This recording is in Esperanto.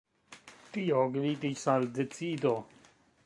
Tio gvidis al decido.